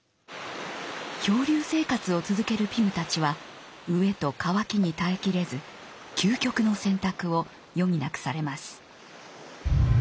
漂流生活を続けるピムたちは飢えと渇きに耐えきれず「究極の選択」を余儀なくされます。